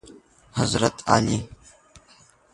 حضرت علی